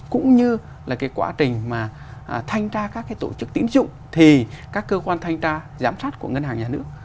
cũng như là cái quá trình mà thanh tra các cái tổ chức tín dụng thì các cơ quan thanh tra giám sát của ngân hàng nhà nước